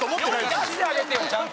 世に出してあげてよちゃんと。